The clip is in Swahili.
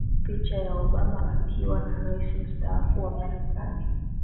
picha ya Obama akiwa na Rais Mstaafu wa Marekani